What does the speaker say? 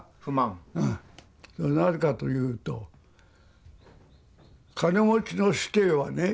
なぜかというと金持ちの子弟はね